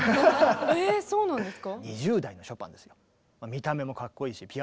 えそうなんですか？